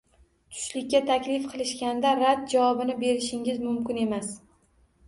Tushlikka taklif qilishganda rad javobini berishingiz mumkin emas.